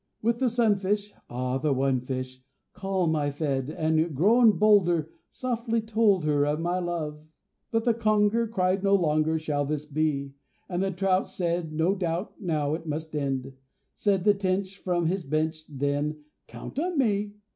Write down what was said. With the Sun fish (ah! the one fish!) calm I fed, And, grown bolder, softly told her of my love. But the Conger cried "No longer shall this be!" And the Trout now said "No doubt now it must end." Said the Tench, then, from his bench, then, "Count on me!"